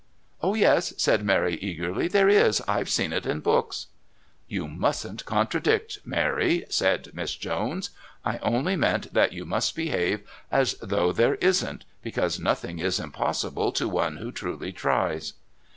"Oh, yes," said Mary eagerly, "there is; I've seen it in books." "You musn't contradict, Mary," said Miss Jones. "I only meant that you must behave as though there isn't, because nothing is impossible to one who truly tries."